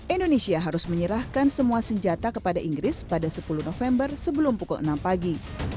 indonesia harus menyerahkan semua senjata kepada inggris pada sepuluh november sebelum pukul enam pagi